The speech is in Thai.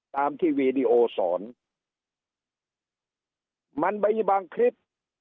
ตามที่วีดีโอสอนมันมีบางคลิป